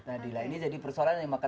nah ini jadi persoalan